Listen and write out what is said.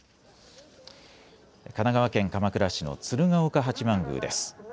神奈川県鎌倉市の鶴岡八幡宮です。